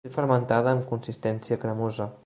Llet fermentada amb consistència cremosa.